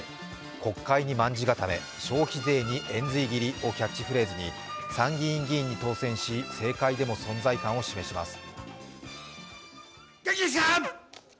「国会に卍固め」「消費税に延髄切り」をキャッチフレーズに参議院議員に当選し、政界でも存在感を示します。